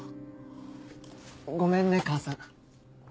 ごめんね母さん。